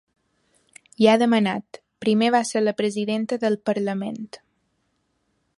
I ha demanat: Primer va ser la presidenta del parlament.